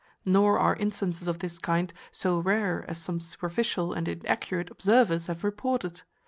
Nor are instances of this kind so rare as some superficial and inaccurate observers have reported.